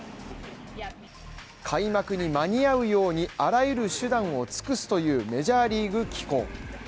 開幕に間に合うように、あらゆる手段を尽くすという、メジャーリーグ機構。